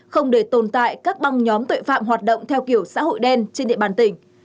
không để tồn tại các băng nhóm tội phạm hoạt động theo kiểu xã hội đen trên địa bàn tỉnh